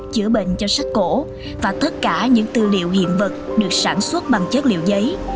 chữa bệnh cho sách cổ và tất cả những tư liệu hiện vật được sản xuất bằng chất liệu giấy